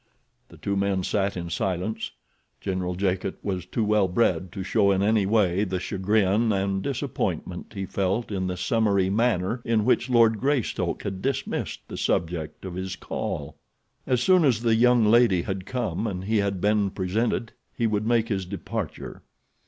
The two men sat in silence. General Jacot was too well bred to show in any way the chagrin and disappointment he felt in the summary manner in which Lord Greystoke had dismissed the subject of his call. As soon as the young lady had come and he had been presented he would make his departure.